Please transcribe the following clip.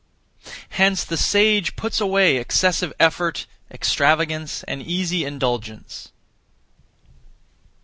Hence the sage puts away excessive effort, extravagance, and easy indulgence.